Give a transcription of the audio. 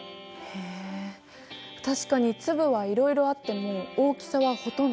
確かに粒はいろいろあっても大きさはほとんど同じ。